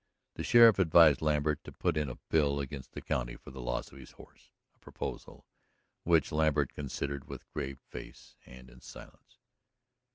The sheriff advised Lambert to put in a bill against the county for the loss of his horse, a proposal which Lambert considered with grave face and in silence.